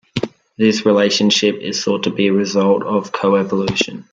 This relationship is thought to be a result of co-evolution.